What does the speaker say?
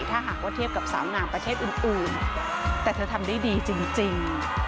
ถ้าหากว่าเทียบกับสาวงามประเทศอื่นแต่เธอทำได้ดีจริง